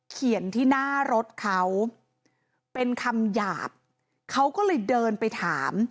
เขียนที่หน้ารถเขาเป็นคำหยาบเขาก็เลยเดินไปถาม